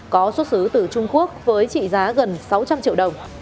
có xuất xứ từ trung quốc với trị giá gần sáu trăm linh triệu đồng